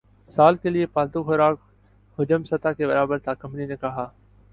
سال کے لیے پالتو خوراک حجم سطح کے برابر تھا کمپنی نے کہا